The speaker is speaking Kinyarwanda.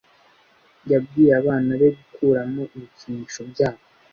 Yabwiye abana be gukuramo ibikinisho byabo.